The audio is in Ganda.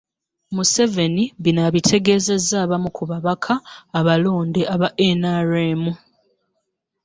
Museveni bino abitegeezezza abamu ku babaka abalonde aba NRM